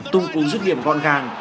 tung cú giúp điểm gọn gàng